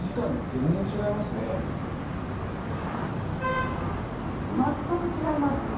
全く違います。